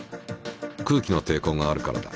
空気のていこうがあるからだ。